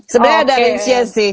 sebenarnya ada rangsia sih